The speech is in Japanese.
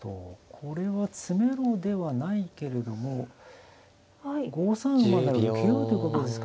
これは詰めろではないけれども５三馬なら受けようということですか。